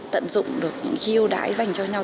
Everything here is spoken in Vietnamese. tận dụng được những khiêu đái dành cho nhau